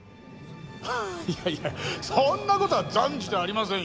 いやいやそんなことは断じてありませんよ。